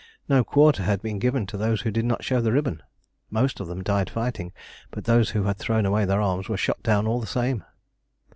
No quarter had been given to those who did not show the ribbon. Most of them died fighting, but those who had thrown away their arms were shot down all the same.